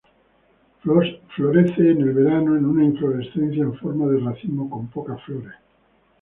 Florece en el verano en una inflorescencia en forma de racimo con pocas flores.